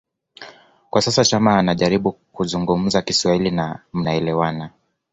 kwa sasa Chama anajaribu kuzungumza Kiswahili na mnaelewana